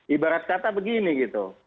ibarat kata begini gitu